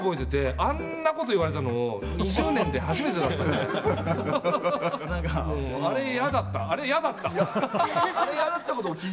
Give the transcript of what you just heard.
あんなこと言われたの２０年で初めてだった。